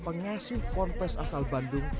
pengasuh pornpes asal bandung